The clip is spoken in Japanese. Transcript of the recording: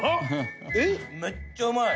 めっちゃうまい。